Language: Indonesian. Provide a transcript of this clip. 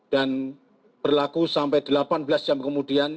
dan berlaku sampai delapan belas jam kemudian